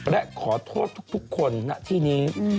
และขอโทษทุกคนณที่นี้